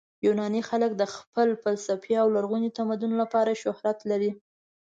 یوناني خلک د خپل فلسفې او لرغوني تمدن لپاره شهرت لري.